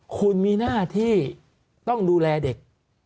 คุณมีหน้าที่ต้องดูแลเด็ก